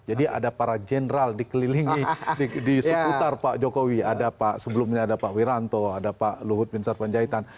jadi ada para jendral dikelilingi di seputar pak jokowi ada pak sebelumnya ada pak wiranto ada pak luhut bin sarpanjaitan